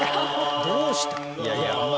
どうした？